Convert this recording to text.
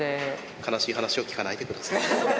悲しい話を聞かないでください。